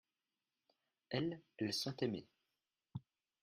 elles, elles sont aimées.